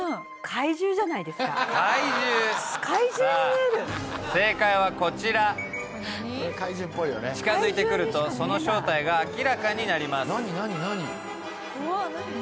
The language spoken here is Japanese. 怪獣さあ怪獣に見える正解はこちら近づいてくるとその正体が明らかになります